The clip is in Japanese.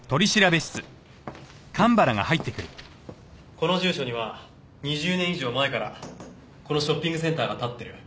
この住所には２０年以上前からこのショッピングセンターが立ってる。